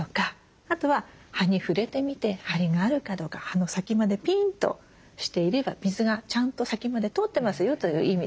あとは葉に触れてみて張りがあるかどうか葉の先までピンとしていれば水がちゃんと先まで通ってますよという意味です。